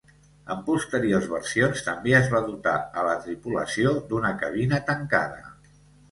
En posteriors versions també es va dotar a la tripulació d'una cabina tancada.